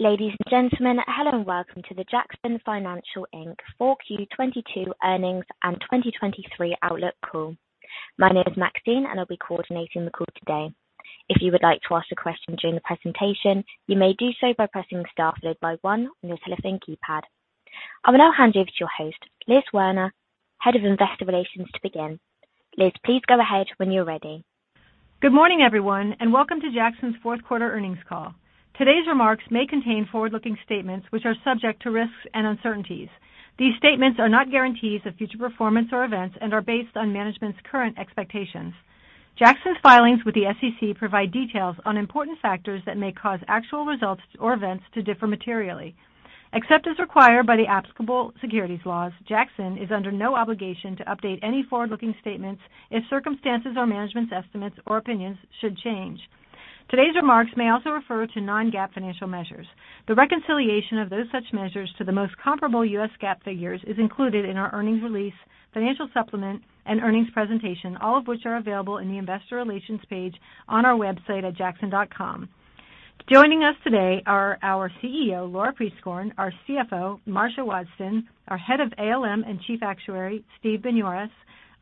Ladies and gentlemen, hello and welcome to the Jackson Financial Inc. Q4 2022 Earnings and 2023 Outlook Call. My name is Maxine, and I'll be coordinating the call today. If you would like to ask a question during the presentation, you may do so by pressing star followed by one on your telephone keypad. I will now hand over to your host, Liz Werner, Head of Investor Relations, to begin. Liz, please go ahead when you're ready. Good morning, everyone, and welcome to Jackson's Q4 earnings call. Today's remarks may contain forward-looking statements, which are subject to risks and uncertainties. These statements are not guarantees of future performance or events and are based on management's current expectations. Jackson's filings with the SEC provide details on important factors that may cause actual results or events to differ materially. Except as required by the applicable securities laws, Jackson is under no obligation to update any forward-looking statements if circumstances or management's estimates or opinions should change. Today's remarks may also refer to non-GAAP financial measures. The reconciliation of those such measures to the most comparable U.S. GAAP figures is included in our earnings release, financial supplement and earnings presentation, all of which are available in the Investor Relations page on our website at jackson.com. Joining us today are our CEO, Laura Prieskorn, our CFO, Marcia Wadsten, our Head of ALM and Chief Actuary, Steve Binioris,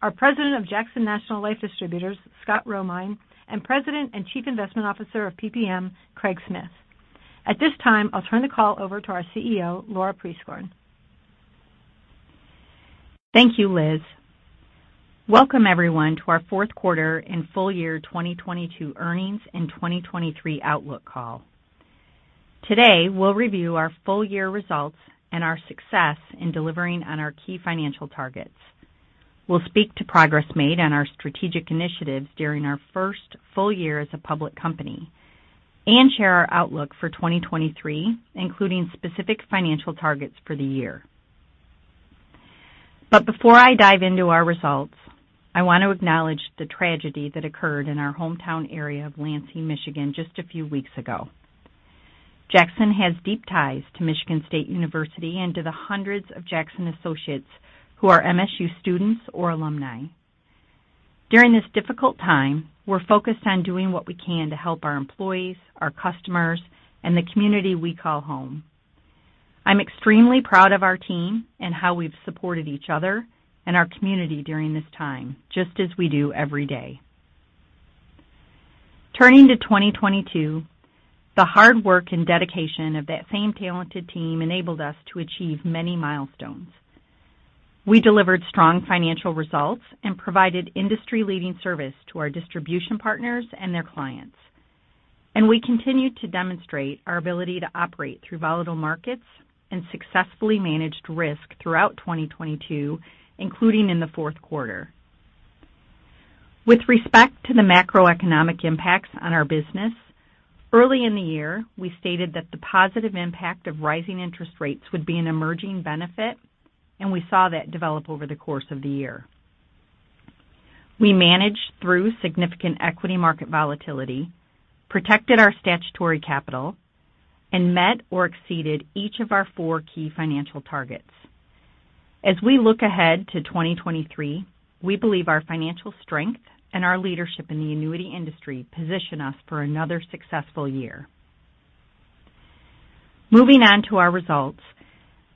our President of Jackson National Life Distributors, Scott Romine, and President and Chief Investment Officer of PPM, Craig Smith. At this time, I'll turn the call over to our CEO, Laura Prieskorn. Thank you, Liz. Welcome, everyone, to our Q4 and full year 2022 earnings and 2023 outlook call. Today, we'll review our full year results and our success in delivering on our key financial targets. We'll speak to progress made on our strategic initiatives during our first full year as a public company and share our outlook for 2023, including specific financial targets for the year. Before I dive into our results, I want to acknowledge the tragedy that occurred in our hometown area of Lansing, Michigan, just a few weeks ago. Jackson has deep ties to Michigan State University and to the hundreds of Jackson associates who are MSU students or alumni. During this difficult time, we're focused on doing what we can to help our employees, our customers, and the community we call home. I'm extremely proud of our team and how we've supported each other and our community during this time, just as we do every day. Turning to 2022, the hard work and dedication of that same talented team enabled us to achieve many milestones. We delivered strong financial results and provided industry-leading service to our distribution partners and their clients. We continued to demonstrate our ability to operate through volatile markets and successfully managed risk throughout 2022, including in Q4. With respect to the macroeconomic impacts on our business, early in the year, we stated that the positive impact of rising interest rates would be an emerging benefit, and we saw that develop over the course of the year. We managed through significant equity market volatility, protected our statutory capital, and met or exceeded each of our four key financial targets. As we look ahead to 2023, we believe our financial strength and our leadership in the annuity industry position us for another successful year. Moving on to our results.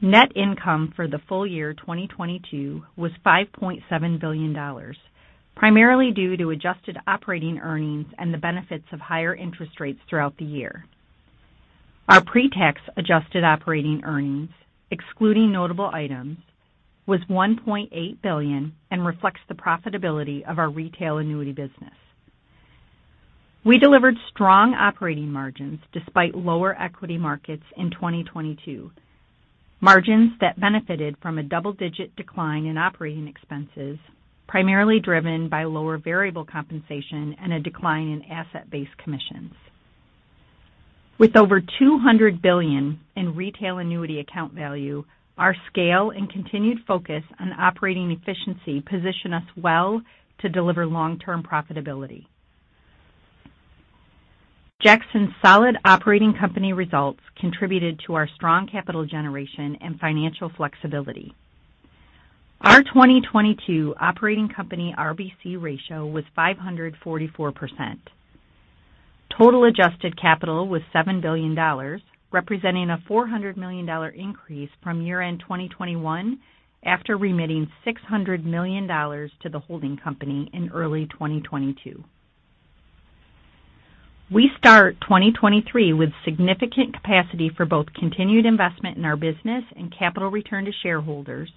Net income for the full year 2022 was $5.7 billion, primarily due to adjusted operating earnings and the benefits of higher interest rates throughout the year. Our pre-tax adjusted operating earnings, excluding notable items, was $1.8 billion and reflects the profitability of our retail annuity business. We delivered strong operating margins despite lower equity markets in 2022. Margins that benefited from a double-digit decline in operating expenses, primarily driven by lower variable compensation and a decline in asset-based commissions. With over $200 billion in retail annuity account value, our scale and continued focus on operating efficiency position us well to deliver long-term profitability. Jackson's solid operating company results contributed to our strong capital generation and financial flexibility. Our 2022 operating company RBC ratio was 544%. Total adjusted capital was $7 billion, representing a $400 million increase from year-end 2021 after remitting $600 million to the holding company in early 2022. We start 2023 with significant capacity for both continued investment in our business and capital return to shareholders.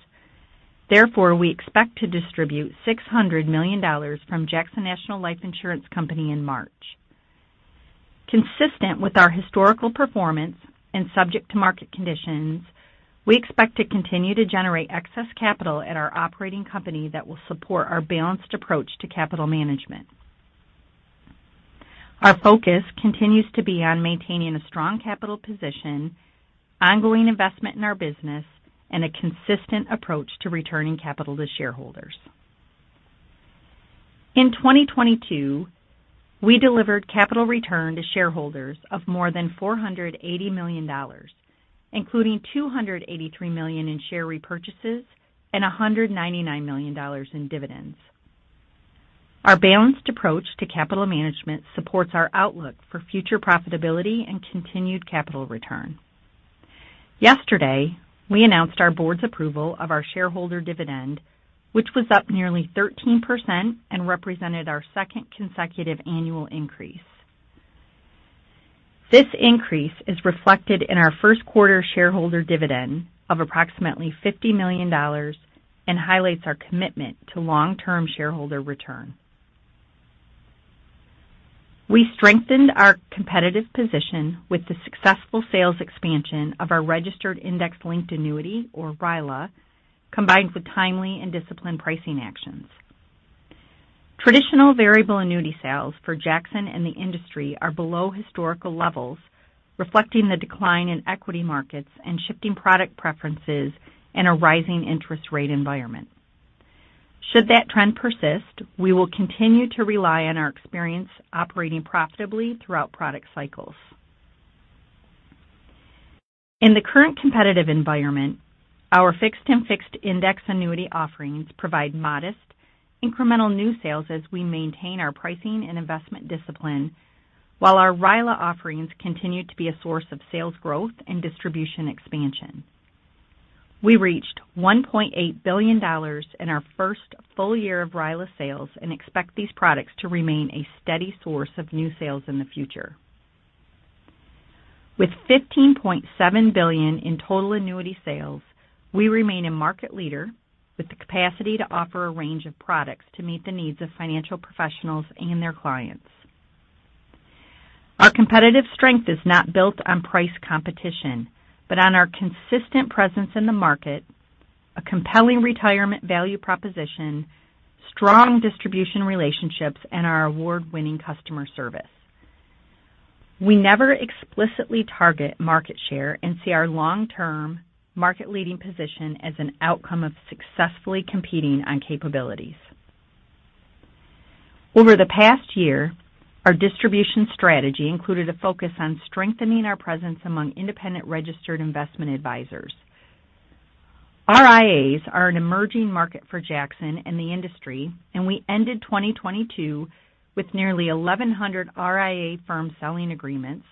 Therefore, we expect to distribute $600 million from Jackson National Life Insurance Company in March. Consistent with our historical performance and subject to market conditions, we expect to continue to generate excess capital at our operating company that will support our balanced approach to capital management. Our focus continues to be on maintaining a strong capital position, ongoing investment in our business, and a consistent approach to returning capital to shareholders. In 2022, we delivered capital return to shareholders of more than $480 million, including $283 million in share repurchases and $199 million in dividends. Our balanced approach to capital management supports our outlook for future profitability and continued capital return. Yesterday, we announced our board's approval of our shareholder dividend, which was up nearly 13% and represented our second consecutive annual increase. This increase is reflected in our Q1 shareholder dividend of approximately $50 million and highlights our commitment to long-term shareholder return. We strengthened our competitive position with the successful sales expansion of our registered index-linked annuity, or RILA, combined with timely and disciplined pricing actions. Traditional variable annuity sales for Jackson and the industry are below historical levels, reflecting the decline in equity markets and shifting product preferences in a rising interest rate environment. Should that trend persist, we will continue to rely on our experience operating profitably throughout product cycles. In the current competitive environment, our fixed and fixed index annuity offerings provide modest, incremental new sales as we maintain our pricing and investment discipline, while our RILA offerings continue to be a source of sales growth and distribution expansion. We reached $1.8 billion in our first full year of RILA sales and expect these products to remain a steady source of new sales in the future. With $15.7 billion in total annuity sales, we remain a market leader with the capacity to offer a range of products to meet the needs of financial professionals and their clients. Our competitive strength is not built on price competition, but on our consistent presence in the market, a compelling retirement value proposition, strong distribution relationships, and our award-winning customer service. We never explicitly target market share and see our long-term market-leading position as an outcome of successfully competing on capabilities. Over the past year, our distribution strategy included a focus on strengthening our presence among independent registered investment advisors. RIAs are an emerging market for Jackson and the industry, and we ended 2022 with nearly 1,100 RIA firm selling agreements,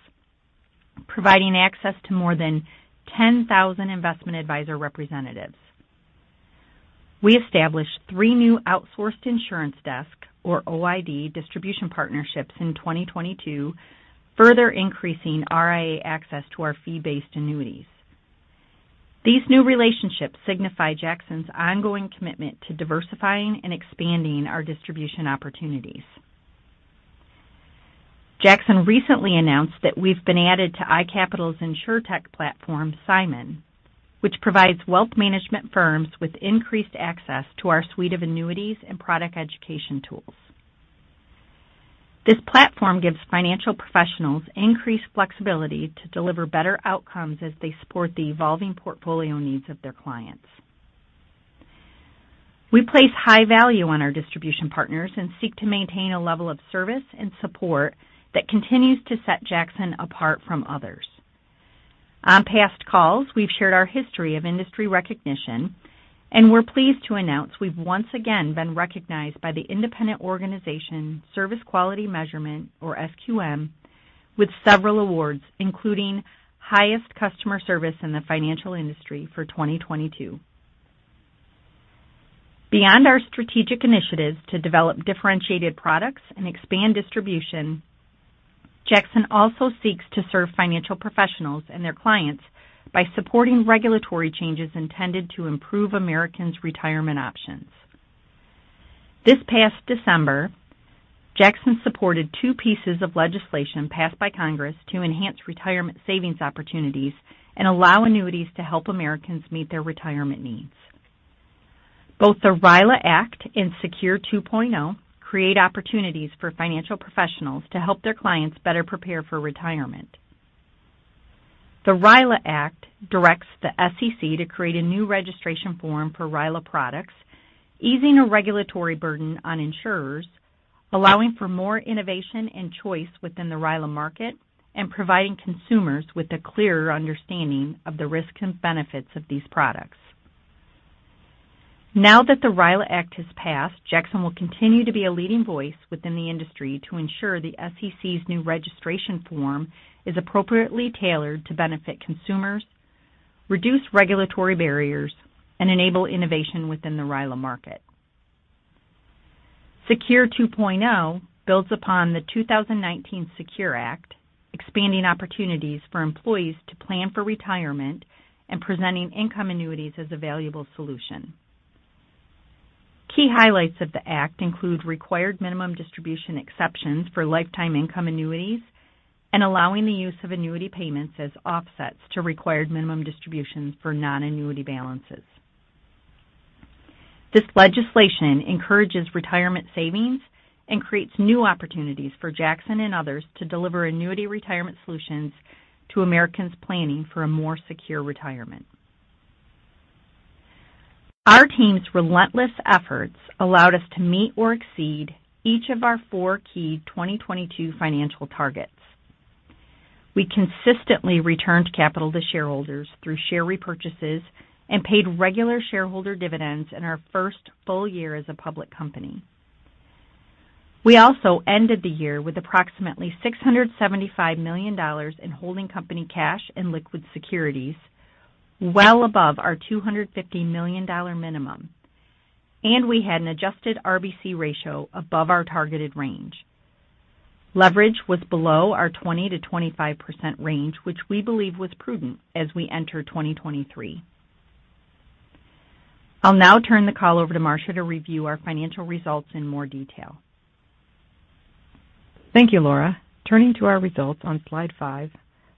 providing access to more than 10,000 investment advisor representatives. We established three new outsourced insurance desk, or OID, distribution partnerships in 2022, further increasing RIA access to our fee-based annuities. These new relationships signify Jackson's ongoing commitment to diversifying and expanding our distribution opportunities. Jackson recently announced that we've been added to iCapital's insurtech platform, SIMON, which provides wealth management firms with increased access to our suite of annuities and product education tools. This platform gives financial professionals increased flexibility to deliver better outcomes as they support the evolving portfolio needs of their clients. We place high value on our distribution partners and seek to maintain a level of service and support that continues to set Jackson apart from others. On past calls, we've shared our history of industry recognition, and we're pleased to announce we've once again been recognized by the independent organization Service Quality Measurement, or SQM, with several awards, including highest customer service in the financial industry for 2022. Beyond our strategic initiatives to develop differentiated products and expand distribution, Jackson also seeks to serve financial professionals and their clients by supporting regulatory changes intended to improve Americans' retirement options. This past December, Jackson supported two pieces of legislation passed by Congress to enhance retirement savings opportunities and allow annuities to help Americans meet their retirement needs. Both the RILA Act and SECURE 2.0 create opportunities for financial professionals to help their clients better prepare for retirement. The RILA Act directs the SEC to create a new registration form for RILA products, easing a regulatory burden on insurers, allowing for more innovation and choice within the RILA market, and providing consumers with a clearer understanding of the risks and benefits of these products. Now that the RILA Act has passed, Jackson will continue to be a leading voice within the industry to ensure the SEC's new registration form is appropriately tailored to benefit consumers, reduce regulatory barriers, and enable innovation within the RILA market. SECURE 2.0 builds upon the 2019 SECURE Act, expanding opportunities for employees to plan for retirement and presenting income annuities as a valuable solution. Key highlights of the act include required minimum distribution exceptions for lifetime income annuities and allowing the use of annuity payments as offsets to required minimum distributions for non-annuity balances. This legislation encourages retirement savings and creates new opportunities for Jackson and others to deliver annuity retirement solutions to Americans planning for a more secure retirement. Our team's relentless efforts allowed us to meet or exceed each of our four key 2022 financial targets. We consistently returned capital to shareholders through share repurchases and paid regular shareholder dividends in our first full year as a public company. We also ended the year with approximately $675 million in holding company cash and liquid securities well above our $250 million minimum, and we had an adjusted RBC ratio above our targeted range. Leverage was below our 20%-25% range, which we believe was prudent as we enter 2023. I'll now turn the call over to Marcia to review our financial results in more detail. Thank you, Laura. Turning to our results on Slide 5,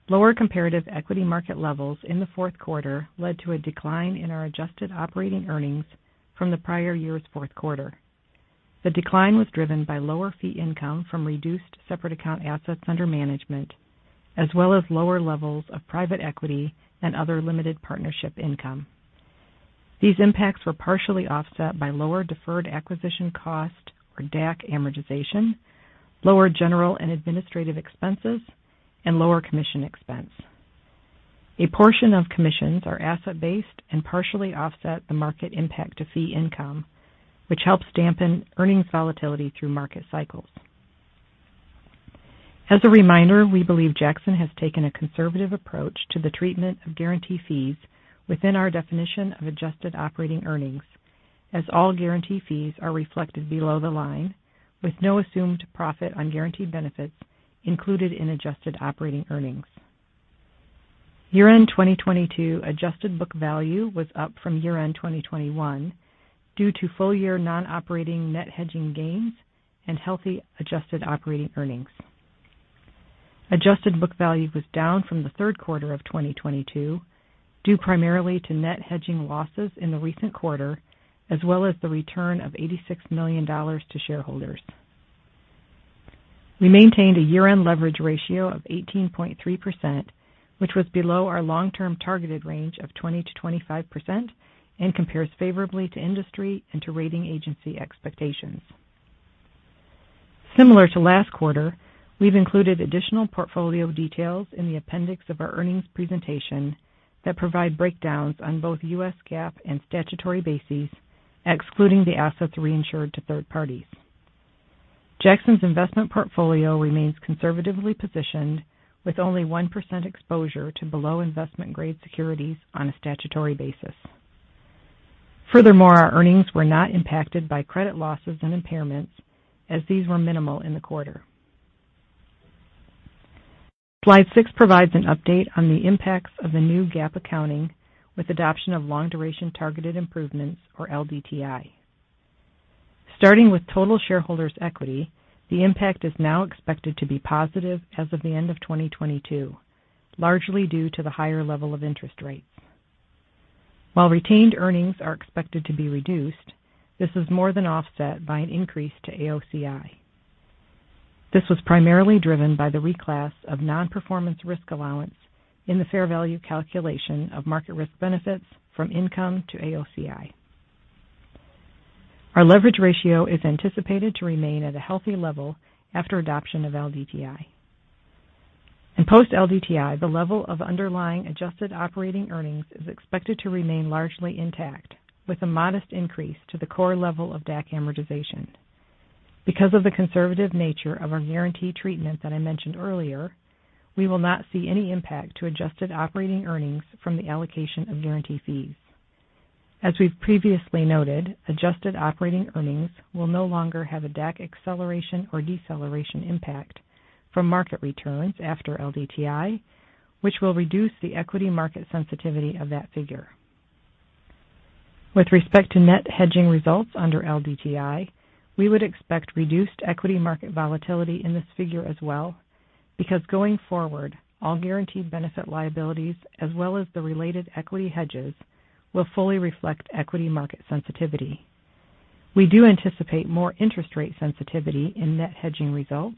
lower comparative equity market levels in the 4th quarter led to a decline in our adjusted operating earnings from the prior year's Q4. The decline was driven by lower fee income from reduced separate account assets under management, as well as lower levels of private equity and other limited partnership income. These impacts were partially offset by lower deferred acquisition cost, or DAC amortization, lower general and administrative expenses, and lower commission expense. A portion of commissions are asset-based and partially offset the market impact to fee income, which helps dampen earnings volatility through market cycles. As a reminder, we believe Jackson has taken a conservative approach to the treatment of guarantee fees within our definition of adjusted operating earnings, as all guarantee fees are reflected below the line with no assumed profit on guaranteed benefits included in adjusted operating earnings. Year-end 2022 adjusted book value was up from year-end 2021 due to full year non-operating net hedging gains and healthy adjusted operating earnings. Adjusted book value was down from Q3 of 2022 due primarily to net hedging losses in the recent quarter, as well as the return of $86 million to shareholders. We maintained a year-end leverage ratio of 18.3%, which was below our long-term targeted range of 20%-25% and compares favorably to industry and to rating agency expectations. Similar to last quarter, we've included additional portfolio details in the appendix of our earnings presentation that provide breakdowns on both US GAAP and statutory bases, excluding the assets reinsured to third parties. Jackson's investment portfolio remains conservatively positioned with only 1% exposure to below investment grade securities on a statutory basis. Furthermore, our earnings were not impacted by credit losses and impairments as these were minimal in the quarter. Slide 6 provides an update on the impacts of the new GAAP accounting with adoption of long duration targeted improvements or LDTI. Starting with total shareholders' equity, the impact is now expected to be positive as of the end of 2022, largely due to the higher level of interest rates. While retained earnings are expected to be reduced, this is more than offset by an increase to AOCI. This was primarily driven by the reclass of non-performance risk allowance in the fair value calculation of market risk benefits from income to AOCI. Our leverage ratio is anticipated to remain at a healthy level after adoption of LDTI. In post LDTI, the level of underlying adjusted operating earnings is expected to remain largely intact with a modest increase to the core level of DAC amortization. Because of the conservative nature of our guarantee treatment that I mentioned earlier, we will not see any impact to adjusted operating earnings from the allocation of guarantee fees. As we've previously noted, adjusted operating earnings will no longer have a DAC acceleration or deceleration impact from market returns after LDTI, which will reduce the equity market sensitivity of that figure. With respect to net hedging results under LDTI, we would expect reduced equity market volatility in this figure as well, because going forward, all guaranteed benefit liabilities as well as the related equity hedges will fully reflect equity market sensitivity. We do anticipate more interest rate sensitivity in net hedging results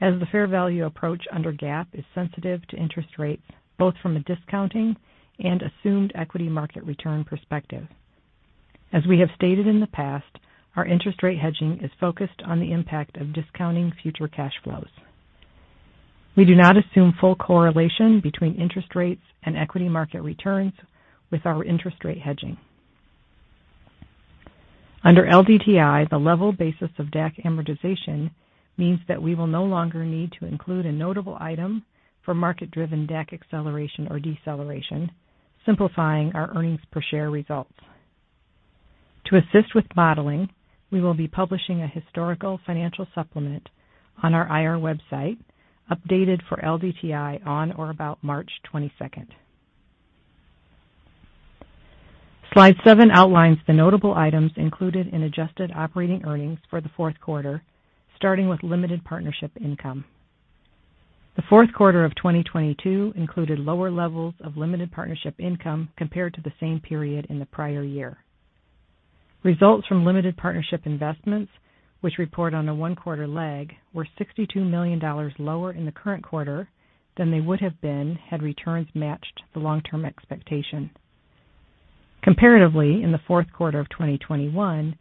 as the fair value approach under GAAP is sensitive to interest rates, both from a discounting and assumed equity market return perspective. As we have stated in the past, our interest rate hedging is focused on the impact of discounting future cash flows. We do not assume full correlation between interest rates and equity market returns with our interest rate hedging. Under LDTI, the level basis of DAC amortization means that we will no longer need to include a notable item for market-driven DAC acceleration or deceleration, simplifying our earnings per share results. To assist with modeling, we will be publishing a historical financial supplement on our IR website updated for LDTI on or about March 22nd. Slide 7 outlines the notable items included in adjusted operating earnings for Q4, starting with limited partnership income. Q4 of 2022 included lower levels of limited partnership income compared to the same period in the prior year. Results from limited partnership investments, which report on a one quarter lag, were $62 million lower in the current quarter than they would have been had returns matched the long-term expectation. Comparatively, in Q4 of 2021,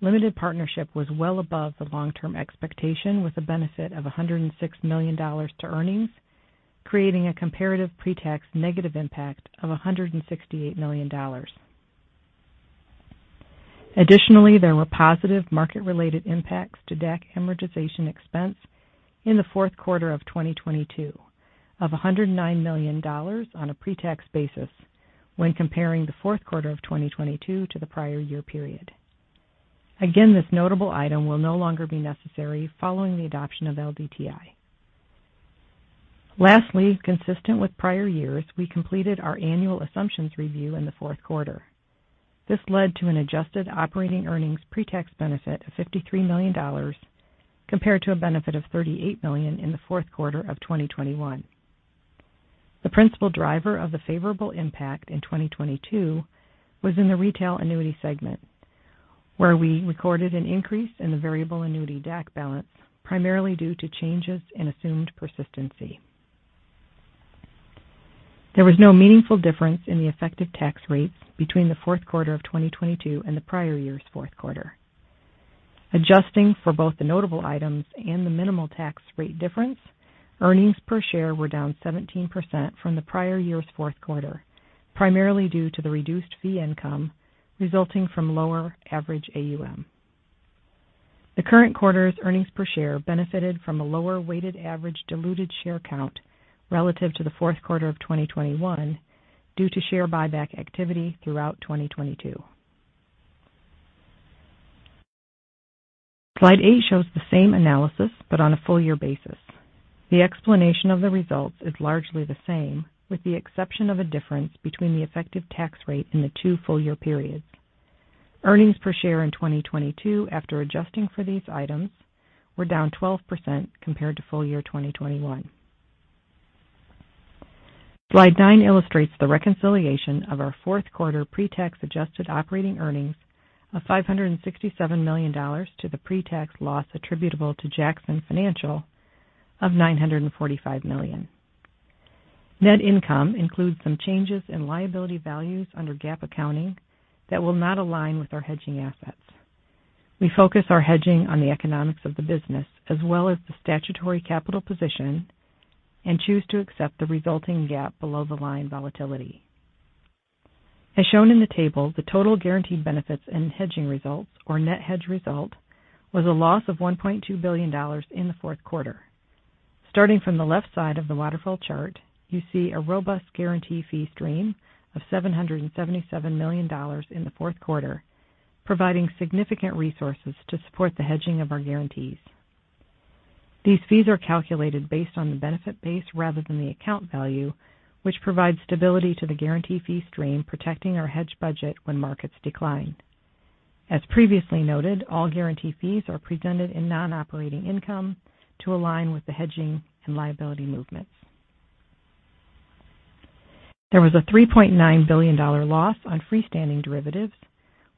limited partnership was well above the long-term expectation with a benefit of $106 million to earnings, creating a comparative pre-tax negative impact of $168 million. Additionally, there were positive market related impacts to DAC amortization expense in Q4 of 2022 of $109 million on a pre-tax basis when comparing Q4 of 2022 to the prior year period. Again, this notable item will no longer be necessary following the adoption of LDTI. Lastly, consistent with prior years, we completed our annual assumptions review in Q4. This led to an adjusted operating earnings pre-tax benefit of $53 million compared to a benefit of $38 million in Q4 of 2021. The principal driver of the favorable impact in 2022 was in the retail annuity segment, where we recorded an increase in the variable annuity DAC balance, primarily due to changes in assumed persistency. There was no meaningful difference in the effective tax rates between Q4 of 2022 and the prior year's Q4. Adjusting for both the notable items and the minimal tax rate difference, earnings per share were down 17% from the prior year's Q4, primarily due to the reduced fee income resulting from lower average AUM. The current quarter's earnings per share benefited from a lower weighted average diluted share count relative to Q4 of 2021 due to share buyback activity throughout 2022. Slide 8 shows the same analysis but on a full year basis. The explanation of the results is largely the same, with the exception of a difference between the effective tax rate in the two full year periods. Earnings per share in 2022, after adjusting for these items, were down 12% compared to full year 2021. Slide 9 illustrates the reconciliation of our Q4 pre-tax adjusted operating earnings of $567 million to the pre-tax loss attributable to Jackson Financial of $945 million. Net income includes some changes in liability values under GAAP accounting that will not align with our hedging assets. We focus our hedging on the economics of the business as well as the statutory capital position, and choose to accept the resulting GAAP below the line volatility. As shown in the table, the total guaranteed benefits and hedging results or net hedge result, was a loss of $1.2 billion in Q4. Starting from the left side of the waterfall chart, you see a robust guarantee fee stream of $777 million in Q4, providing significant resources to support the hedging of our guarantees. These fees are calculated based on the benefit base rather than the account value, which provides stability to the guarantee fee stream, protecting our hedge budget when markets decline. As previously noted, all guarantee fees are presented in non-operating income to align with the hedging and liability movements. There was a $3.9 billion loss on freestanding derivatives,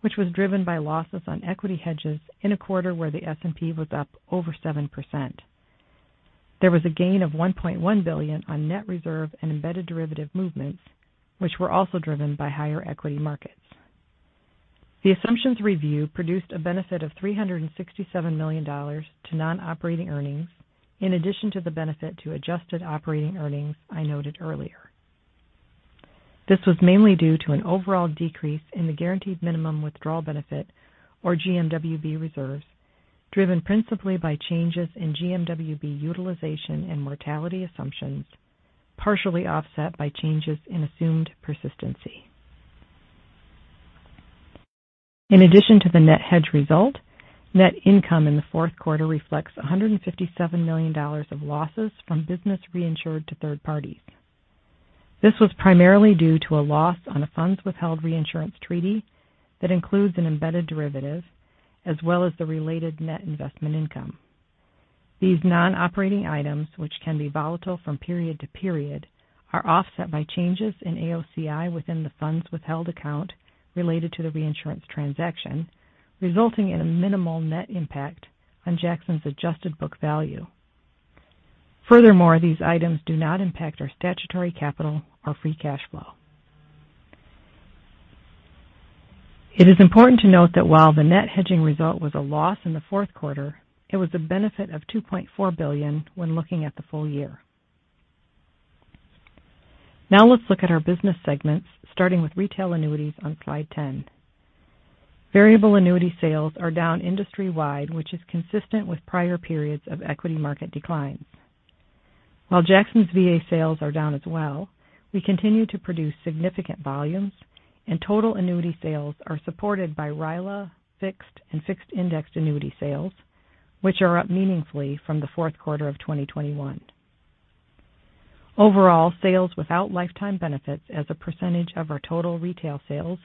which was driven by losses on equity hedges in a quarter where the S&P was up over 7%. There was a gain of $1.1 billion on net reserve and embedded derivative movements, which were also driven by higher equity markets. The assumptions review produced a benefit of $367 million to non-operating earnings in addition to the benefit to adjusted operating earnings I noted earlier. This was mainly due to an overall decrease in the guaranteed minimum withdrawal benefit or GMWB reserves, driven principally by changes in GMWB utilization and mortality assumptions, partially offset by changes in assumed persistency. In addition to the net hedge result, net income in Q4 reflects $157 million of losses from business reinsured to third parties. This was primarily due to a loss on a funds withheld reinsurance treaty that includes an embedded derivative as well as the related net investment income. These non-operating items, which can be volatile from period to period, are offset by changes in AOCI within the funds withheld account related to the reinsurance transaction, resulting in a minimal net impact on Jackson's adjusted book value. These items do not impact our statutory capital or free cash flow. It is important to note that while the net hedging result was a loss in Q4, it was a benefit of $2.4 billion when looking at the full year. Now let's look at our business segments, starting with retail annuities on Slide 10. Variable annuity sales are down industry-wide, which is consistent with prior periods of equity market declines. While Jackson's VA sales are down as well, we continue to produce significant volumes and total annuity sales are supported by RILA fixed and fixed indexed annuity sales, which are up meaningfully from Q4 of 2021. Overall, sales without lifetime benefits as a percentage of our total retail sales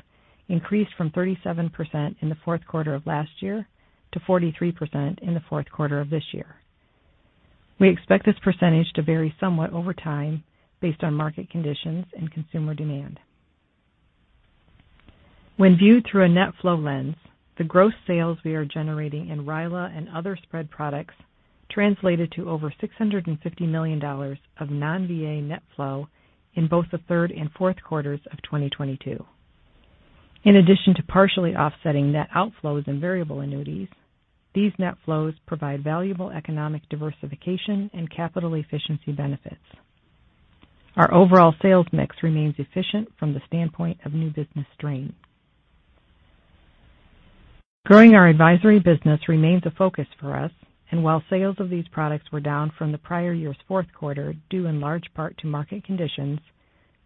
increased from 37% in Q4 of last year to 43% in Q4 of this year. We expect this percentage to vary somewhat over time based on market conditions and consumer demand. When viewed through a net flow lens, the gross sales we are generating in RILA and other spread products translated to over $650 million of non-VA net flow in both Q3 and Q4 of 2022. In addition to partially offsetting net outflows and variable annuities, these net flows provide valuable economic diversification and capital efficiency benefits. Our overall sales mix remains efficient from the standpoint of new business stream. While sales of these products were down from the prior year's Q4, due in large part to market conditions,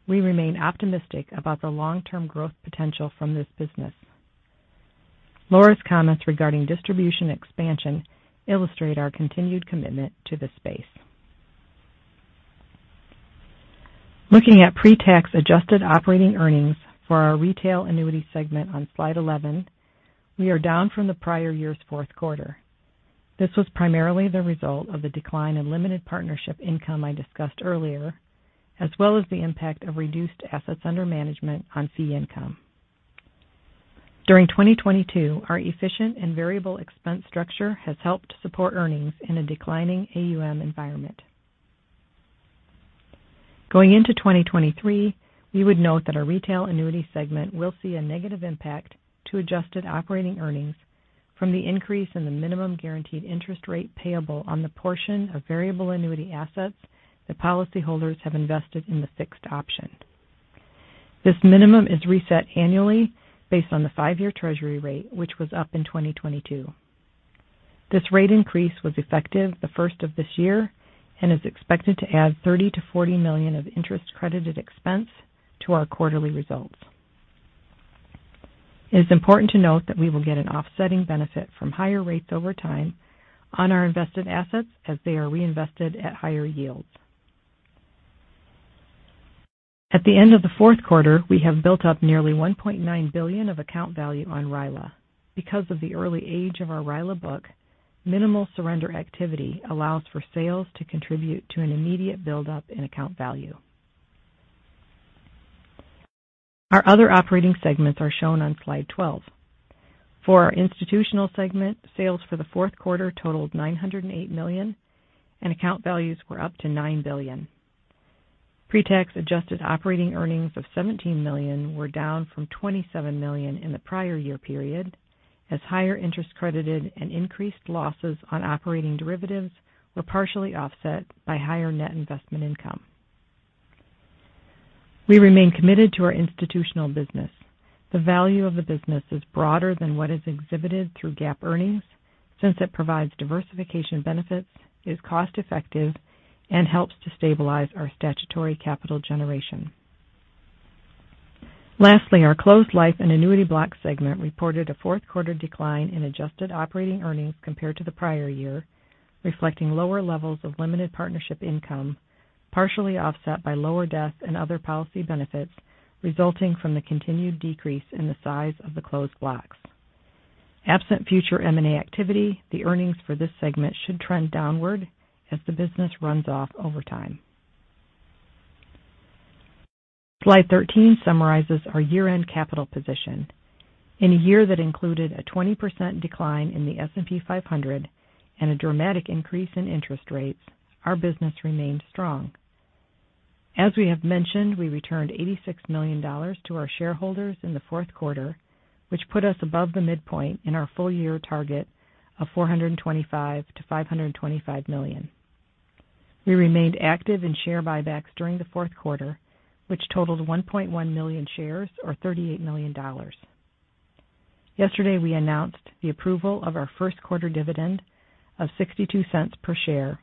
we remain optimistic about the long-term growth potential from this business. Laura's comments regarding distribution expansion illustrate our continued commitment to this space. Looking at pre-tax adjusted operating earnings for our retail annuity segment on Slide 11, we are down from the prior year's Q4. This was primarily the result of the decline in limited partnership income I discussed earlier, as well as the impact of reduced assets under management on fee income. During 2022, our efficient and variable expense structure has helped support earnings in a declining AUM environment. Going into 2023, we would note that our retail annuity segment will see a negative impact to adjusted operating earnings from the increase in the minimum guaranteed interest rate payable on the portion of variable annuity assets that policyholders have invested in the fixed option. This minimum is reset annually based on the five-year treasury rate, which was up in 2022. This rate increase was effective the first of this year and is expected to add $30 million-$40 million of interest credited expense to our quarterly results. It is important to note that we will get an offsetting benefit from higher rates over time on our invested assets as they are reinvested at higher yields. At the end of Q4, we have built up nearly $1.9 billion of account value on RILA, because of the early age of our RILA book, minimal surrender activity allows for sales to contribute to an immediate build-up in account value. Our other operating segments are shown on Slide 12. For our institutional segment, sales for Q4 totaled $908 million, and account values were up to $9 billion. Pre-tax adjusted operating earnings of $17 million were down from $27 million in the prior year period, as higher interest credited and increased losses on operating derivatives were partially offset by higher net investment income. We remain committed to our institutional business. The value of the business is broader than what is exhibited through GAAP earnings since it provides diversification benefits, is cost-effective, and helps to stabilize our statutory capital generation. Our closed life and annuity block segment reported a Q4 decline in adjusted operating earnings compared to the prior year, reflecting lower levels of limited partnership income, partially offset by lower death and other policy benefits resulting from the continued decrease in the size of the closed blocks. Absent future M&A activity, the earnings for this segment should trend downward as the business runs off over time. Slide 13 summarizes our year-end capital position. In a year that included a 20% decline in the S&P 500 and a dramatic increase in interest rates, our business remained strong. As we have mentioned, we returned $86 million to our shareholders in Q4, which put us above the midpoint in our full year target of $425 million-$525 million. We remained active in share buybacks during Q4, which totaled 1.1 million shares or $38 million. Yesterday, we announced the approval of our Q1 dividend of $0.62 per share,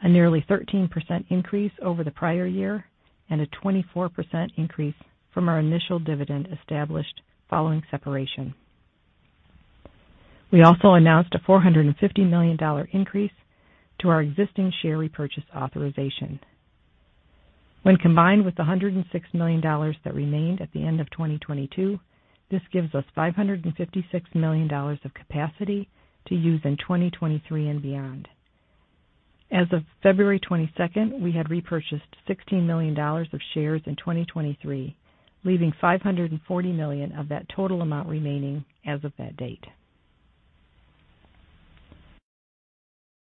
a nearly 13% increase over the prior year and a 24% increase from our initial dividend established following separation. We also announced a $450 million increase to our existing share repurchase authorization. When combined with $106 million that remained at the end of 2022, this gives us $556 million of capacity to use in 2023 and beyond. As of February 22nd, we had repurchased $16 million of shares in 2023, leaving $540 million of that total amount remaining as of that date.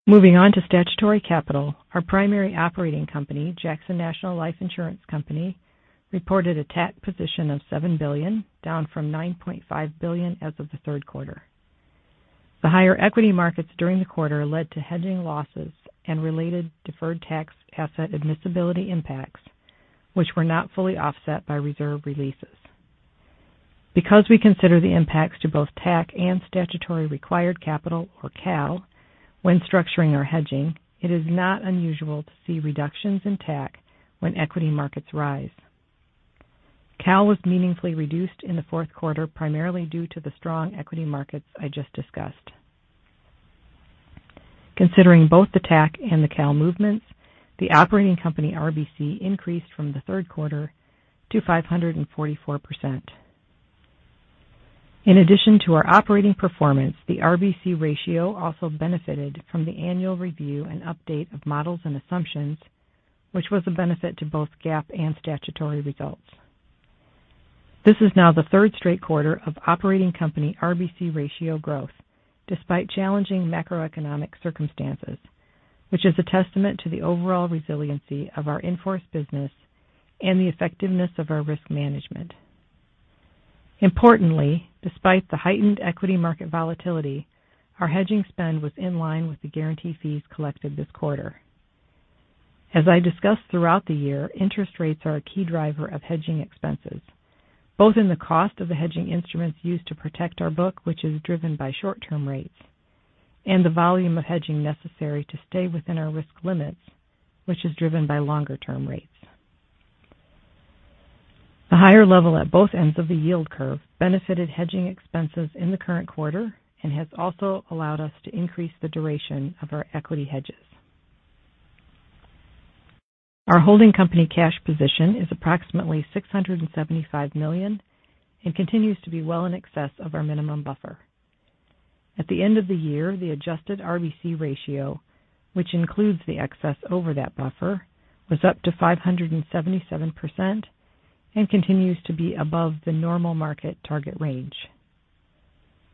Moving on to statutory capital, our primary operating company, Jackson National Life Insurance Company, reported a TAC position of $7 billion, down from $9.5 billion as of Q3. The higher equity markets during the quarter led to hedging losses and related deferred tax asset admissibility impacts, which were not fully offset by reserve releases. We consider the impacts to both TAC and statutory required capital, or CAL, when structuring our hedging, it is not unusual to see reductions in TAC when equity markets rise. CAL was meaningfully reduced in Q4, primarily due to the strong equity markets I just discussed. Considering both the TAC and the CAL movements, the operating company RBC increased from Q3 to 544%. In addition to our operating performance, the RBC ratio also benefited from the annual review and update of models and assumptions, which was a benefit to both GAAP and statutory results. This is now the third straight quarter of operating company RBC ratio growth, despite challenging macroeconomic circumstances, which is a testament to the overall resiliency of our in-force business and the effectiveness of our risk management. Importantly, despite the heightened equity market volatility, our hedging spend was in line with the guarantee fees collected this quarter. As I discussed throughout the year, interest rates are a key driver of hedging expenses, both in the cost of the hedging instruments used to protect our book, which is driven by short-term rates, and the volume of hedging necessary to stay within our risk limits, which is driven by longer-term rates. The higher level at both ends of the yield curve benefited hedging expenses in the current quarter and has also allowed us to increase the duration of our equity hedges. Our holding company cash position is approximately $675 million and continues to be well in excess of our minimum buffer. At the end of the year, the adjusted RBC ratio, which includes the excess over that buffer, was up to 577% and continues to be above the normal market target range.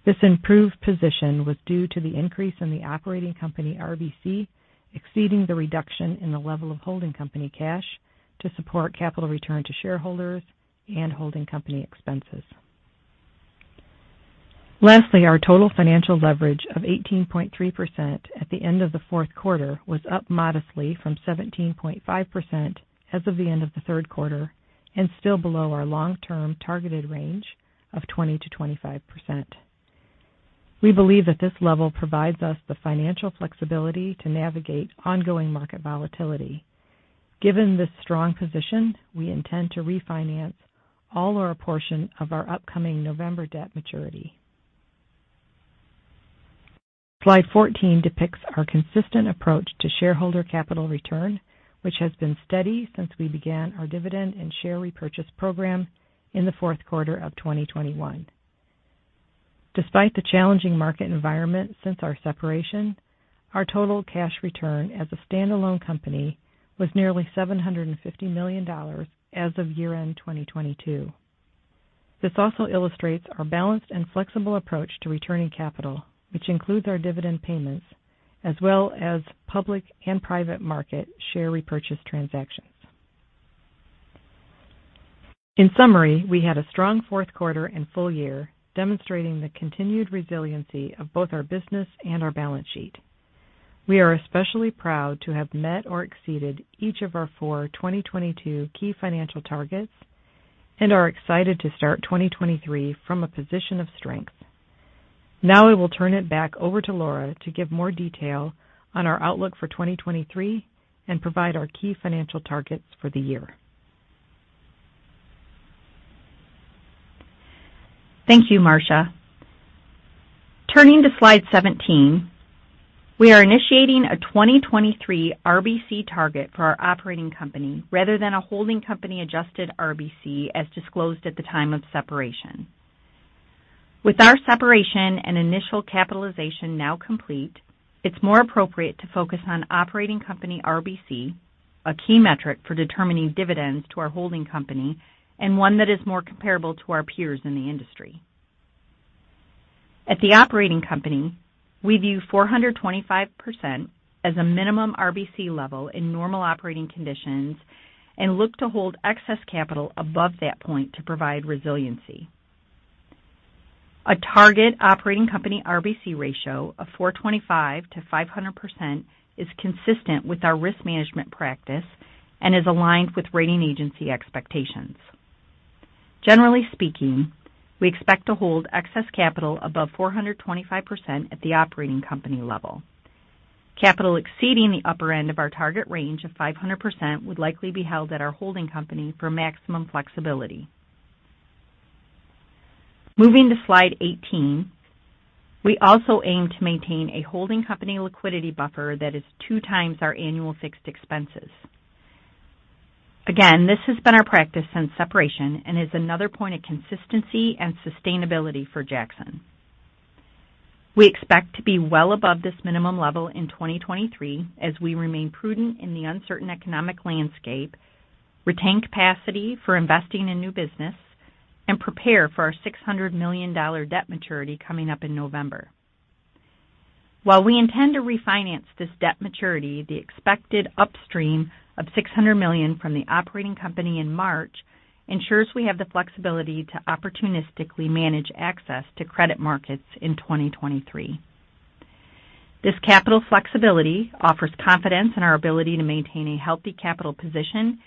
This improved position was due to the increase in the operating company RBC exceeding the reduction in the level of holding company cash to support capital return to shareholders and holding company expenses. Lastly, our total financial leverage of 18.3% at the end of Q4 was up modestly from 17.5% as of the end of Q3 and still below our long-term targeted range of 20%-25%. We believe that this level provides us the financial flexibility to navigate ongoing market volatility. Given this strong position, we intend to refinance all or a portion of our upcoming November debt maturity. Slide 14 depicts our consistent approach to shareholder capital return, which has been steady since we began our dividend and share repurchase program in Q4 of 2021. Despite the challenging market environment since our separation, our total cash return as a standalone company was nearly $750 million as of year-end 2022. This also illustrates our balanced and flexible approach to returning capital, which includes our dividend payments as well as public and private market share repurchase transactions. In summary, we had a strong Q4 and full year demonstrating the continued resiliency of both our business and our balance sheet. We are especially proud to have met or exceeded each of our four 2022 key financial targets and are excited to start 2023 from a position of strength. Now I will turn it back over to Laura to give more detail on our outlook for 2023 and provide our key financial targets for the year. Thank you, Marcia. Turning to Slide 17, we are initiating a 2023 RBC target for our operating company rather than a holding company adjusted RBC as disclosed at the time of separation. With our separation and initial capitalization now complete, it's more appropriate to focus on operating company RBC, a key metric for determining dividends to our holding company and one that is more comparable to our peers in the industry. At the operating company, we view 425% as a minimum RBC level in normal operating conditions and look to hold excess capital above that point to provide resiliency. A target operating company RBC ratio of 425%-500% is consistent with our risk management practice and is aligned with rating agency expectations. Generally speaking, we expect to hold excess capital above 425% at the operating company level. Capital exceeding the upper end of our target range of 500% would likely be held at our holding company for maximum flexibility. Moving to Slide 18. We also aim to maintain a holding company liquidity buffer that is two times our annual fixed expenses. Again, this has been our practice since separation and is another point of consistency and sustainability for Jackson. We expect to be well above this minimum level in 2023 as we remain prudent in the uncertain economic landscape, retain capacity for investing in new business, and prepare for our $600 million debt maturity coming up in November. While we intend to refinance this debt maturity, the expected upstream of $600 million from the operating company in March ensures we have the flexibility to opportunistically manage access to credit markets in 2023. This capital flexibility offers confidence in our ability to maintain a healthy capital position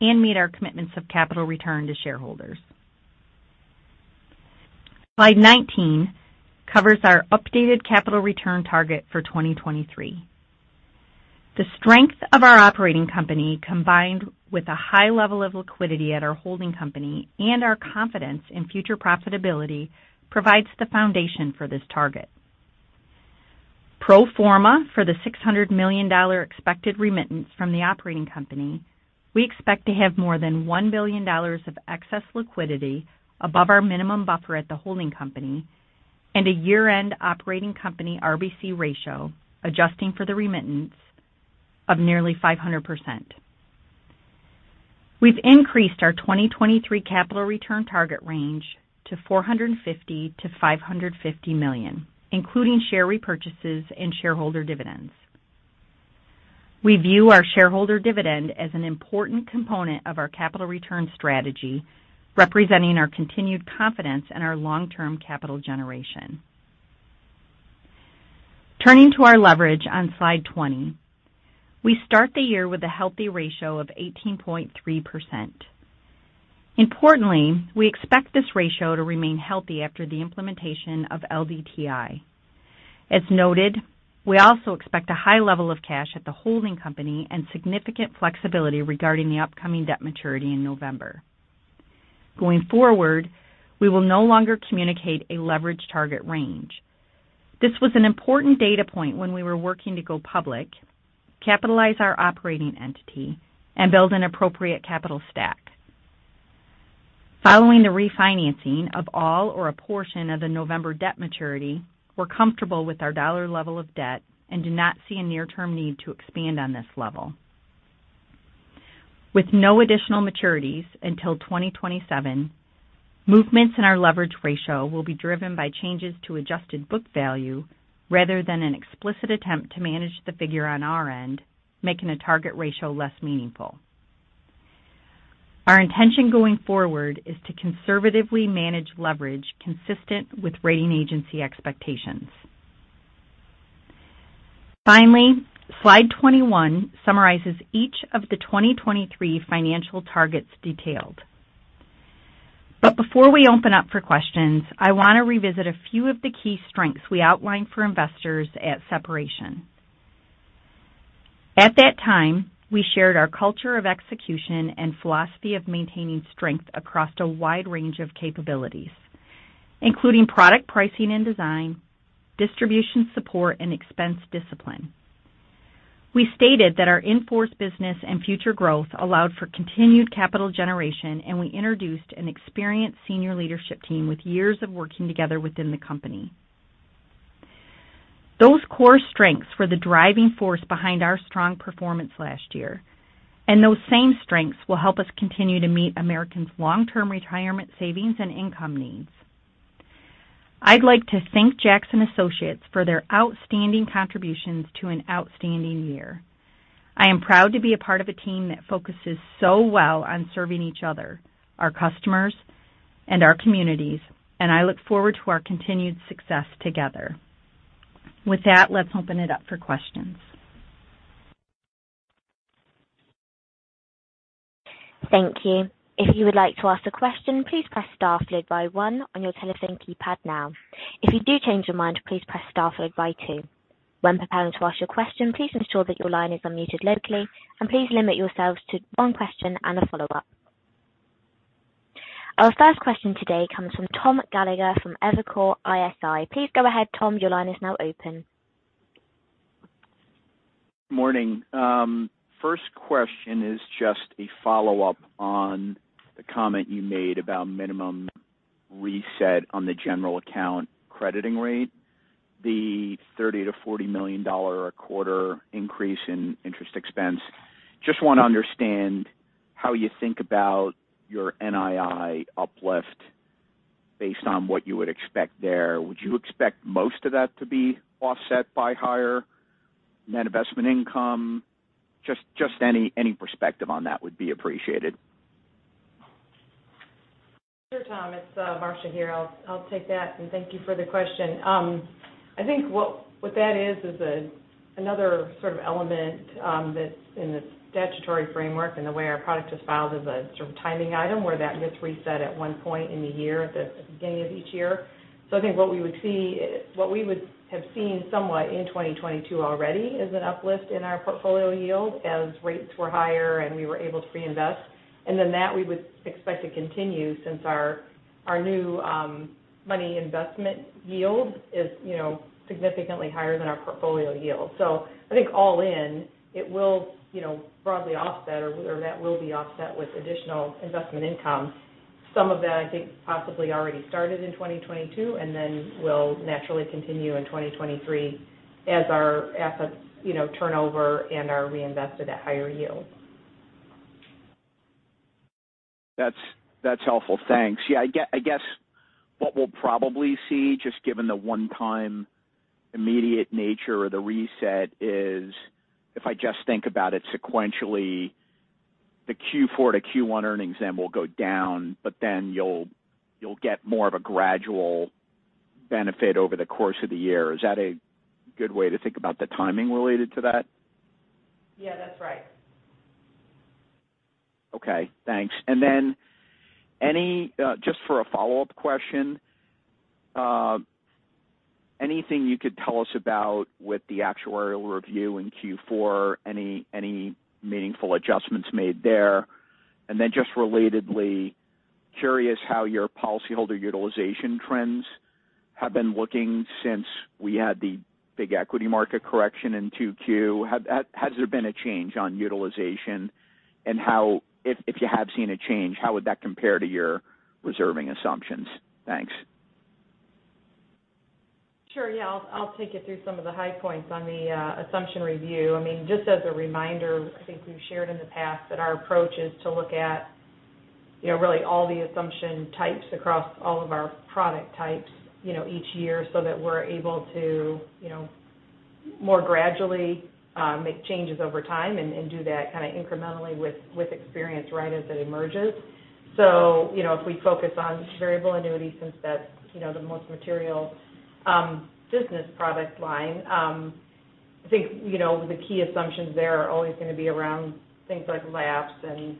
and meet our commitments of capital return to shareholders. Slide 19 covers our updated capital return target for 2023. The strength of our operating company, combined with a high level of liquidity at our holding company and our confidence in future profitability, provides the foundation for this target. Pro forma for the $600 million expected remittance from the operating company, we expect to have more than $1 billion of excess liquidity above our minimum buffer at the holding company and a year-end operating company RBC ratio, adjusting for the remittance of nearly 500%. We've increased our 2023 capital return target range to $450 million-$550 million, including share repurchases and shareholder dividends. We view our shareholder dividend as an important component of our capital return strategy, representing our continued confidence in our long-term capital generation. Turning to our leverage on Slide 20, we start the year with a healthy ratio of 18.3%. Importantly, we expect this ratio to remain healthy after the implementation of LDTI. As noted, we also expect a high level of cash at the holding company and significant flexibility regarding the upcoming debt maturity in November. Going forward, we will no longer communicate a leverage target range. This was an important data point when we were working to go public, capitalize our operating entity and build an appropriate capital stack. Following the refinancing of all or a portion of the November debt maturity, we're comfortable with our dollar level of debt and do not see a near-term need to expand on this level. With no additional maturities until 2027, movements in our leverage ratio will be driven by changes to adjusted book value rather than an explicit attempt to manage the figure on our end, making a target ratio less meaningful. Our intention going forward is to conservatively manage leverage consistent with rating agency expectations. Slide 21 summarizes each of the 2023 financial targets detailed. Before we open up for questions, I want to revisit a few of the key strengths we outlined for investors at separation. At that time, we shared our culture of execution and philosophy of maintaining strength across a wide range of capabilities, including product pricing and design, distribution support and expense discipline. We stated that our in-force business and future growth allowed for continued capital generation, and we introduced an experienced senior leadership team with years of working together within the company. Those core strengths were the driving force behind our strong performance last year, and those same strengths will help us continue to meet Americans' long-term retirement savings and income needs. I'd like to thank Jackson Associates for their outstanding contributions to an outstanding year. I am proud to be a part of a team that focuses so well on serving each other, our customers, and our communities, and I look forward to our continued success together. With that, let's open it up for questions. Thank you. If you would like to ask a question, please press star followed by one on your telephone keypad now. If you do change your mind, please press star followed by two. When preparing to ask your question, please ensure that your line is unmuted locally and please limit yourselves to one question and a follow-up. Our first question today comes from Tom Gallagher from Evercore ISI. Please go ahead, Tom. Your line is now open. Morning. First question is just a follow-up on the comment you made about minimum reset on the general account crediting rate, the $30 million-$40 million a quarter increase in interest expense. Just want to understand how you think about your NII uplift based on what you would expect there. Would you expect most of that to be offset by higher net investment income? Just any perspective on that would be appreciated. Sure, Tom. It's Marcia here. I'll take that, and thank you for the question. I think what that is is another element that's in the statutory framework and the way our product is filed is a timing item where that gets reset at one point in the year, at the beginning of each year. I think what we would have seen somewhat in 2022 already is an uplift in our portfolio yield as rates were higher and we were able to reinvest. Then that we would expect to continue since our new money investment yield is significantly higher than our portfolio yield. I think, all in, it will broadly offset or that will be offset with additional investment income. Some of that, I think possibly already started in 2022 and then will naturally continue in 2023 as our assets, turn over and are reinvested at higher yields. That's helpful. Thanks. I guess what we'll probably see, just given the one-time immediate nature of the reset is, if I just think about it sequentially, Q4 to Q1 earnings then will go down, but then you'll get more of a gradual benefit over the course of the year. Is that a good way to think about the timing related to that? Yes, that's right. Okay. Thanks. Just for a follow-up question, anything you could tell us about with the actuarial review in Q4, any meaningful adjustments made there? Just relatedly, curious how your policyholder utilization trends have been looking since we had the big equity market correction in Q2. Has there been a change on utilization, and if you have seen a change, how would that compare to your reserving assumptions? Thanks. Sure. I'll take you through some of the high points on the assumption review. Just as a reminder, I think we've shared in the past that our approach is to look at really all the assumption types across all of our product types each year so that we're able to, more gradually, make changes over time and do that incrementally with experience right as it emerges. If we focus on variable annuities since that's the most material business product line, I think the key assumptions there are always going to be around things like lapse and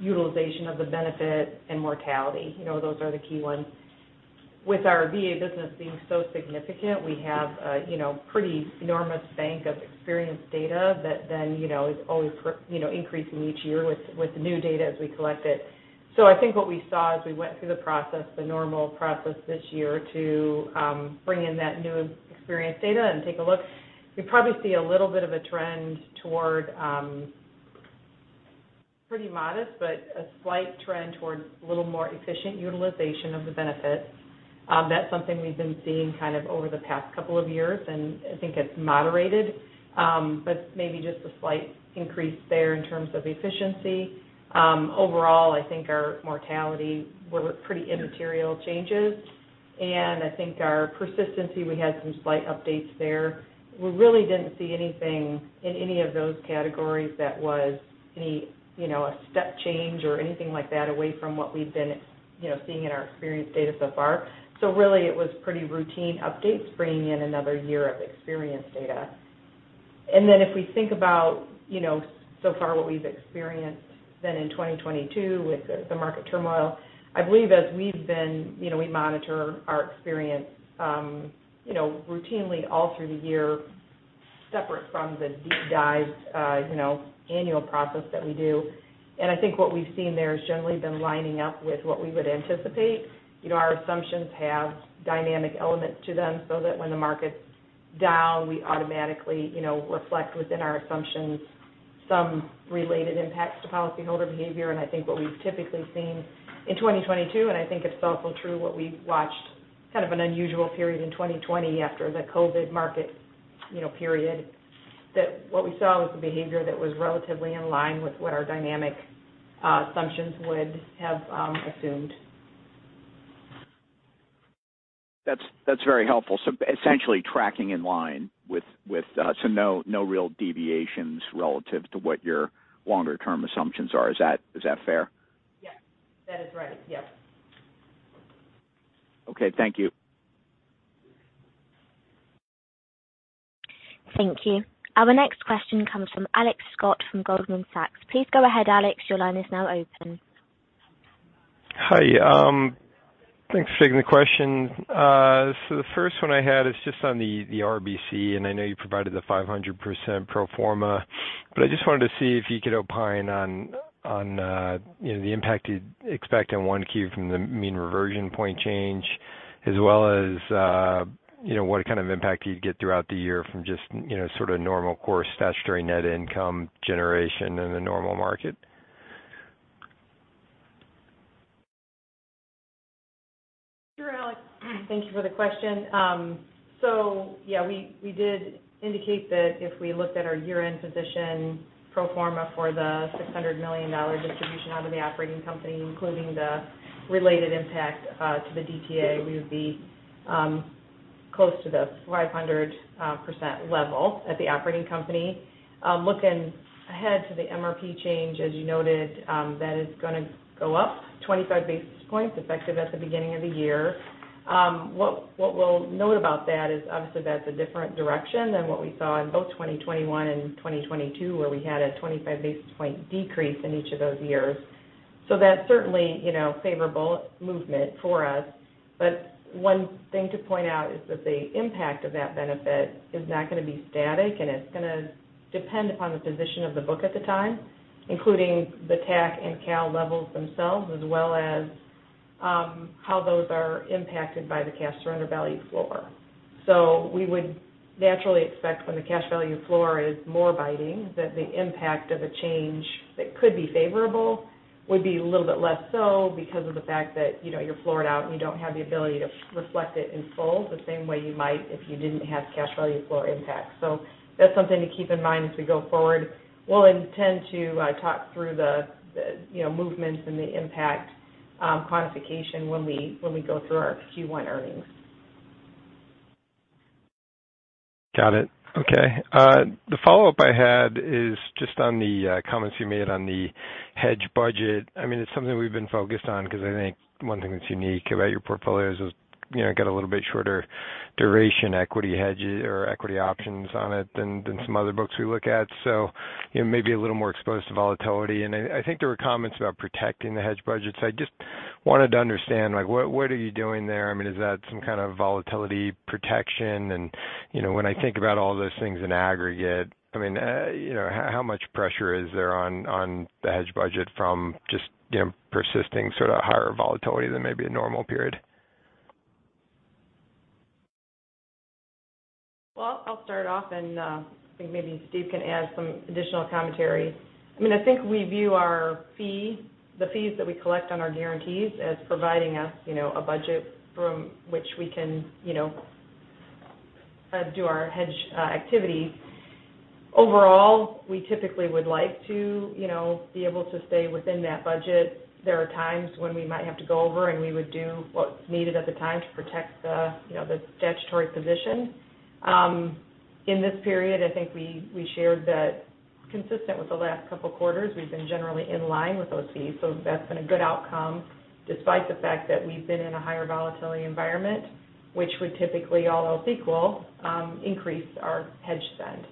utilization of the benefit and mortality. Those are the key ones. With our VA business being so significant, we have a pretty enormous bank of experience data that then is always increasing each year with new data as we collect it. I think what we saw as we went through the process, the normal process this year to bring in that new experience data and take a look, we probably see a little bit of a trend toward pretty modest, but a slight trend towards a little more efficient utilization of the benefits. That's something we've been seeing over the past couple of years, and I think it's moderated. Maybe just a slight increase there in terms of efficiency. Overall, I think our mortality were pretty immaterial changes. I think our persistency, we had some slight updates there. We really didn't see anything in any of those categories that was a step change or anything like that away from what we've been seeing in our experience data so far. Really, it was pretty routine updates bringing in another year of experience data. If we think about, so far what we've experienced then in 2022 with the market turmoil, we monitor our experience, routinely all through the year, separate from the deep dive annual process that we do. I think what we've seen there has generally been lining up with what we would anticipate. Our assumptions have dynamic elements to them so that when the market's down, we automatically reflect within our assumptions some related impacts to policyholder behavior. I think what we've typically seen in 2022, and I think it's also true what we've watched an unusual period in 2020 after the COVID market period, that what we saw was the behavior that was relatively in line with what our dynamic assumptions would have assumed. That's very helpful. Essentially tracking in line with no real deviations relative to what your longer term assumptions are. Is that fair? That is right. Yes. Okay. Thank you. Thank you. Our next question comes from Alex Scott from Goldman Sachs. Please go ahead, Alex. Your line is now open. Hi. Thanks for taking the question. The first one I had is just on the RBC, and I know you provided the 500% pro forma. I just wanted to see if you could opine on the impact you'd expect in Q1 from the mean reversion point change, as well as, what impact you'd get throughout the year from just normal course statutory net income generation in the normal market. Sure, Alex. Thank you for the question. We did indicate that if we looked at our year-end position pro forma for the $600 million distribution out of the operating company, including the related impact to the DTA, we would be close to the 500% level at the operating company. Looking ahead to the MRP change, as you noted, that is going to go up 25 basis points effective at the beginning of the year. What we'll note about that is obviously that's a different direction than what we saw in both 2021 and 2022, where we had a 25 basis point decrease in each of those years. That's certainly a favorable movement for us. One thing to point out is that the impact of that benefit is not going to be static, and it's going to depend upon the position of the book at the time, including the TAC and CAL levels themselves, as well as how those are impacted by the cash surrender value floor. We would naturally expect when the cash value floor is more binding, that the impact of a change that could be favorable would be a little bit less so because of the fact that you're floored out and you don't have the ability to reflect it in full the same way you might if you didn't have cash value floor impact. That's something to keep in mind as we go forward. We'll intend to talk through the movements and the impact quantification when we go through our Q1 earnings. Got it. Okay. The follow-up I had is just on the comments you made on the hedge budget. It's something we've been focused on because I think one thing that's unique about your portfolio got a little bit shorter duration equity hedges or equity options on it than some other books we look at. Maybe a little more exposed to volatility. I think there were comments about protecting the hedge budgets. I just wanted to understand, what are you doing there? Is that some volatility protection? When I think about all those things in aggregate, how much pressure is there on the hedge budget from just persisting higher volatility than maybe a normal period? Well, I'll start off and I think maybe Steve can add some additional commentary. I think we view our fee, the fees that we collect on our guarantees as providing us a budget from which we can do our hedge activity. Overall, we typically would like to be able to stay within that budget. There are times when we might have to go over, and we would do what's needed at the time to protect the statutory position. In this period, I think we shared that consistent with the last couple quarters, we've been generally in line with those fees. That's been a good outcome despite the fact that we've been in a higher volatility environment, which would typically all else equal, increase our hedge spend.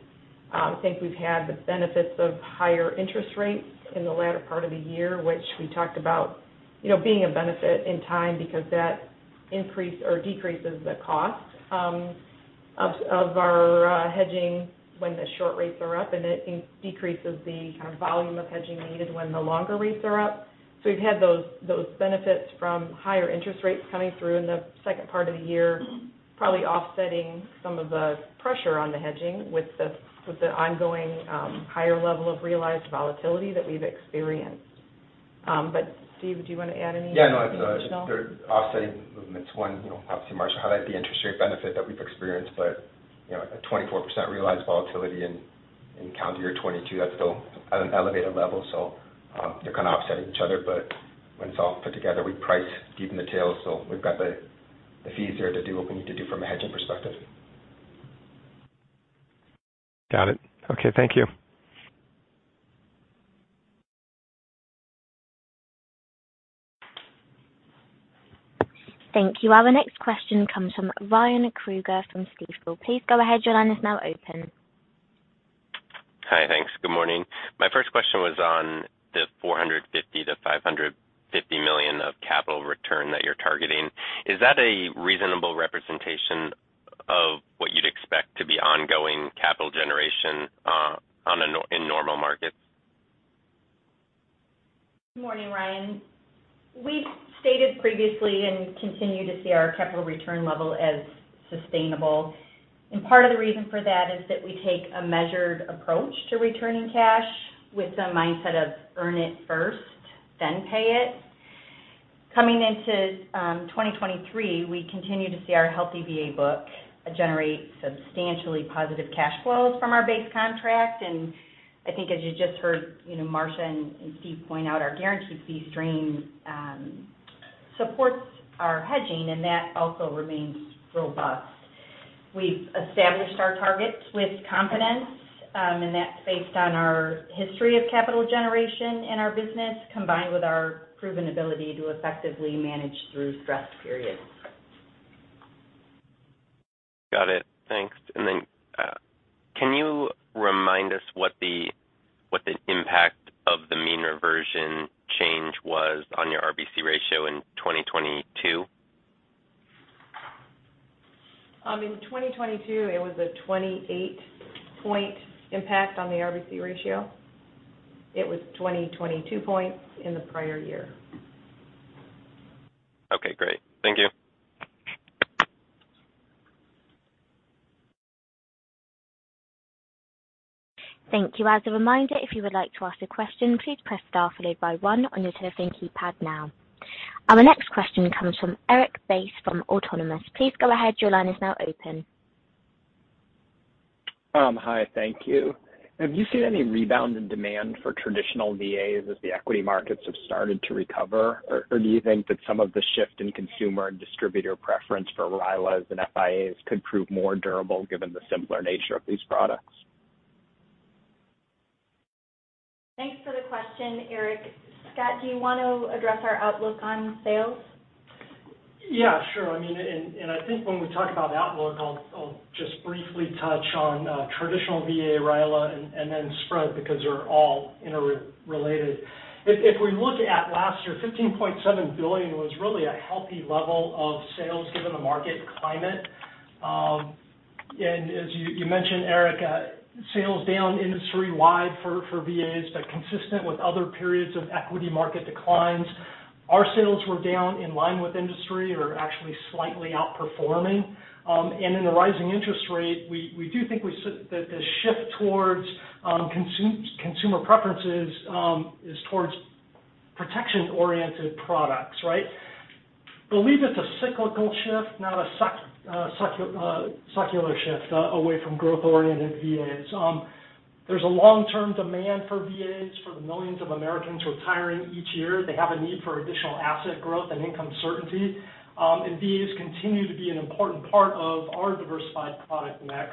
I think we've had the benefits of higher interest rates in the latter part of the year, which we talked about being a benefit in time because that increase or decreases the cost of our hedging when the short rates are up, and it decreases the volume of hedging needed when the longer rates are up. We've had those benefits from higher interest rates coming through in the second part of the year, probably offsetting some of the pressure on the hedging with the ongoing higher level of realized volatility that we've experienced. Steve, do you want to add anything additional? Yes. They're offsetting movements. One, obviously Marcia highlighted the interest rate benefit that we've experienced, but a 24% realized volatility in calendar year 2022, that's still at an elevated level. They're offsetting each other, but when it's all put together, we price deep in the tail. We've got the fees there to do what we need to do from a hedging perspective. Got it. Okay, thank you. Thank you. Our next question comes from Ryan Krueger from KBW. Please go ahead. Your line is now open. Hi. Thanks. Good morning. My first question was on the $450 million-$550 million of capital return that you're targeting. Is that a reasonable representation of what you'd expect to be ongoing capital generation in normal markets? Good morning, Ryan. We've stated previously and continue to see our capital return level as sustainable. Part of the reason for that is that we take a measured approach to returning cash with the mindset of earn it first, then pay it. Coming into 2023, we continue to see our healthy VA book generate substantially positive cash flows from our base contract. I think as you just heard Marcia and Steve point out, our guaranteed fee stream supports our hedging, and that also remains robust. We've established our targets with confidence, and that's based on our history of capital generation in our business, combined with our proven ability to effectively manage through stress periods. Got it. Thanks. Then, can you remind us what the impact of the mean reversion change was on your RBC ratio in 2022? In 2022, it was a 28 point impact on the RBC ratio. It was 20-22 points in the prior year. Okay, great. Thank you. Thank you. As a reminder, if you would like to ask a question, please press star followed by one on your telephone keypad now. Our next question comes from Erik Bass from Autonomous Research. Please go ahead. Your line is now open. Hi. Thank you. Have you seen any rebound in demand for traditional VAs as the equity markets have started to recover or do you think that some of the shift in consumer and distributor preference for RILAs and FIAs could prove more durable given the simpler nature of these products? Thanks for the question, Erik. Scott, do you wanna address our outlook on sales? Sure. I think when we talk about outlook, I'll just briefly touch on traditional VA, RILA and then spread because they're all inter-related. If we look at last year, $15.7 billion was really a healthy level of sales given the market climate. As you mentioned, Erik, sales down industry-wide for VAs, but consistent with other periods of equity market declines. Our sales were down in line with industry or actually slightly outperforming. In the rising interest rate, we do think that the shift towards consumer preferences is towards protection-oriented products. Believe it's a cyclical shift, not a secular shift away from growth-oriented VAs. There's a long-term demand for VAs for the millions of Americans retiring each year. They have a need for additional asset growth and income certainty. VAs continue to be an important part of our diversified product mix.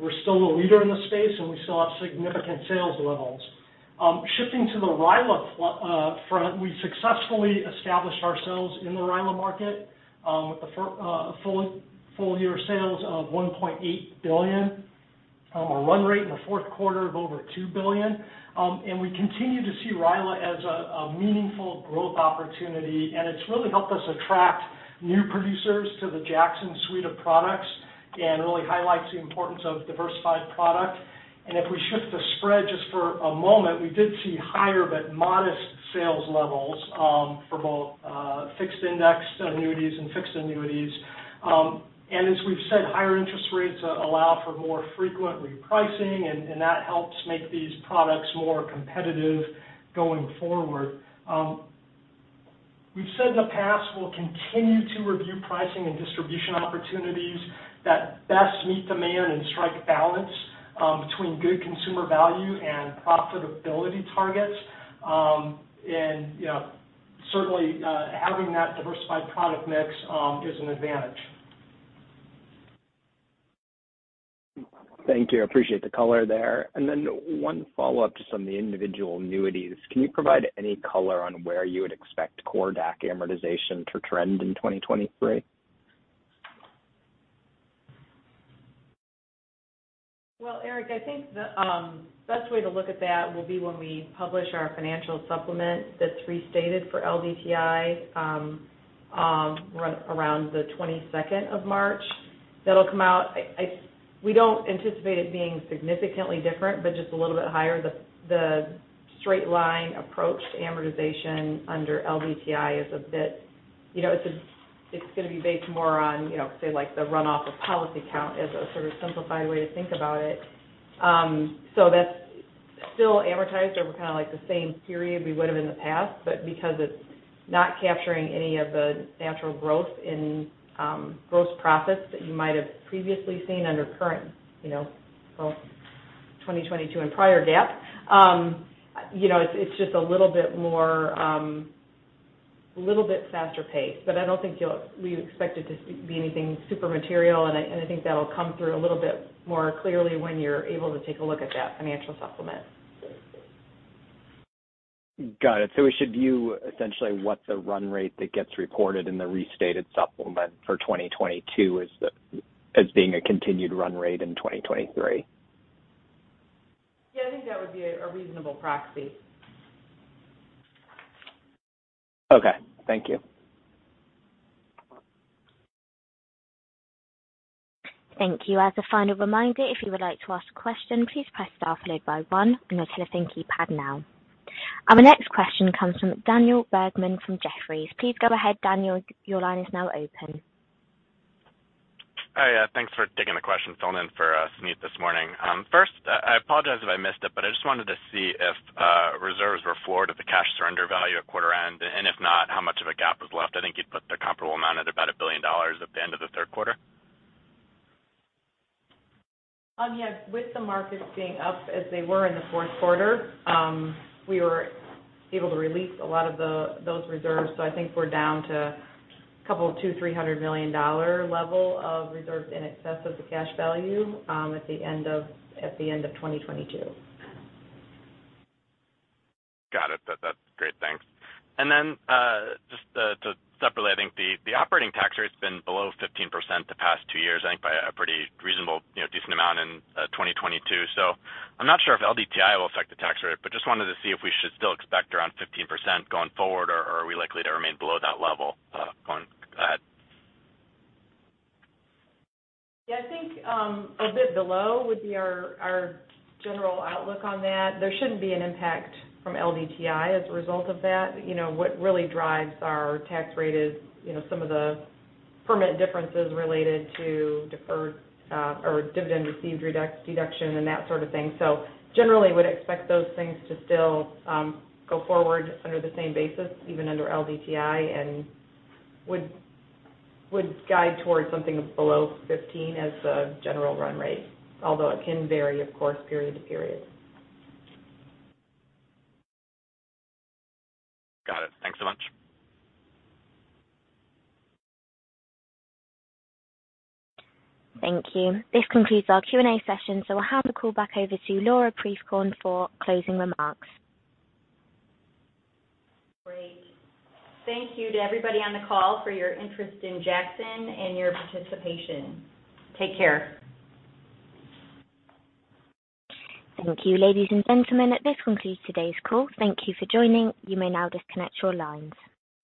We're still a leader in the space, and we still have significant sales levels. Shifting to the RILA front, we successfully established ourselves in the RILA market, with the full year sales of $1.8 billion, a run rate in Q4 of over $2 billion. We continue to see RILA as a meaningful growth opportunity, and it's really helped us attract new producers to the Jackson suite of products and really highlights the importance of diversified product. If we shift to spread just for a moment, we did see higher but modest sales levels, for both fixed index annuities and fixed annuities. As we've said, higher interest rates allow for more frequent repricing and that helps make these products more competitive going forward. We've said in the past, we'll continue to review pricing and distribution opportunities that best meet demand and strike a balance, between good consumer value and profitability targets. Certainly, having that diversified product mix is an advantage. Thank you. I appreciate the color there. One follow-up just on the individual annuities. Can you provide any color on where you would expect core DAC amortization to trend in 2023? Well, Erik, I think the best way to look at that will be when we publish our financial supplement that's restated for LDTI around March 22nd. That'll come out. We don't anticipate it being significantly different, but just a little bit higher. The straight line approach to amortization under LDTI is going to be based more on, say like the run off of policy count as a simplified way to think about it. That's still amortized over the same period we would have in the past, but because it's not capturing any of the natural growth in gross profits that you might have previously seen under current, well, 2022 and prior GAAP. It's just a little bit faster pace, but I don't think we expect it to be anything super material. I think that'll come through a little bit more clearly when you're able to take a look at that financial supplement. Got it. We should view essentially what the run rate that gets reported in the restated supplement for 2022 as being a continued run rate in 2023. Yes, I think that would be a reasonable proxy. Okay, thank you. Thank you. As a final reminder, if you would like to ask a question, please press star followed by one on your telephone keypad now. Our next question comes from Daniel Bergman from Jefferies. Please go ahead, Daniel, your line is now open. Hi, thanks for taking the question. Filling in for Suneet this morning. First, I apologize if I missed it, but I just wanted to see if reserves were forward of the cash surrender value at quarter end, and if not, how much of a gap was left. I think you'd put the comparable amount at about $1 billion at the end of Q3. Yes. With the markets being up as they were in Q4, we were able to release a lot of those reserves. I think we're down to a $200 million-$300 million level of reserves in excess of the cash value, at the end of 2022. Got it. That's great. Thanks. Just separately, I think the operating tax rate's been below 15% the past two years, I think by a pretty reasonable, decent amount in 2022. I'm not sure if LDTI will affect the tax rate, but just wanted to see if we should still expect around 15% going forward, or are we likely to remain below that level going ahead? I think a bit below would be our general outlook on that. There shouldn't be an impact from LDTI as a result of that. what really drives our tax rate is some of the permit differences related to deferred, or dividend received deduction and that thing. Generally, would expect those things to still go forward under the same basis, even under LDTI, and would guide towards something below 15 as a general run rate, although it can vary, of course, period to period. Got it. Thanks so much. Thank you. This concludes our Q&A session, so I'll hand the call back over to Laura Prieskorn for closing remarks. Great. Thank you to everybody on the call for your interest in Jackson and your participation. Take care. Thank you, ladies and gentlemen, this concludes today's call. Thank you for joining. You may now disconnect your lines.